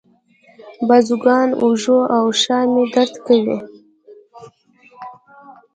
بازوګانو، اوږو او شا مې درد کاوه.